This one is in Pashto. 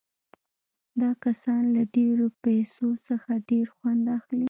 دا کسان له ډېرو پیسو څخه ډېر خوند اخلي